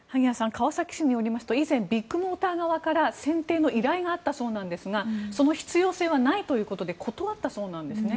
川崎市によりますと以前、ビッグモーター側からせん定の依頼があったそうなんですがその必要性はないということで断ったそうなんですね。